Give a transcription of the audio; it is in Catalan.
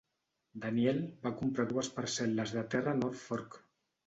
Daniel va comprar dues parcel·les de terra a North Fork.